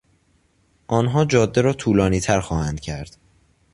آنها جاده را طولانیتر خواهند کرد.